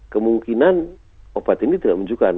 kemungkinan obat ini tidak menunjukkan